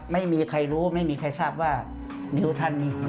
ไม่มีใครรู้ไม่มีใครทราบว่านิ้วท่านนี้